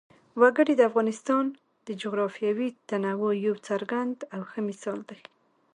وګړي د افغانستان د جغرافیوي تنوع یو څرګند او ښه مثال دی.